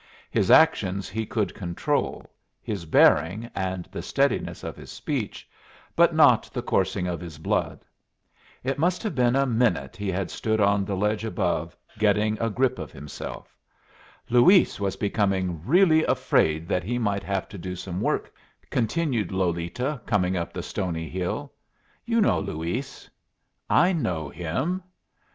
His actions he could control, his bearing, and the steadiness of his speech, but not the coursing of his blood. It must have been a minute he had stood on the ledge above, getting a grip of himself. "Luis was becoming really afraid that he might have to do some work," continued Lolita, coming up the stony hill. "You know Luis?" "I know him."